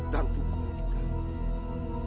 dan tubuhmu juga